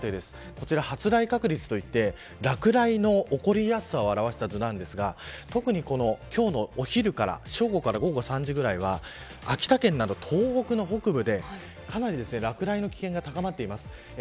こちら、発雷確率といって落雷の起こりやすさを表したものですが特に今日のお昼から正午から午後３時くらいは秋田県など、東北の北部でかなり落雷の危険が高まっています。